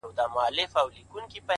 پير، مُريد او ملا هم درپسې ژاړي~